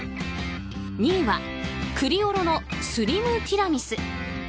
２位は、クリオロのスリム・ティラミス。